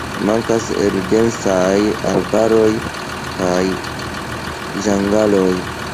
Mankas el densaj arbaroj kaj ĝangaloj.